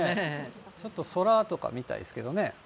ちょっと空とか見たいですけどね。